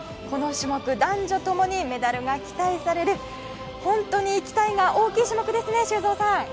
この種目、男女共にメダルが期待される本当に期待が大きい種目ですね修造さん。